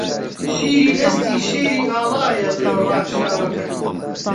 شیری دەستی شێری ئاڵایە برۆ ڕاکشاوەکەت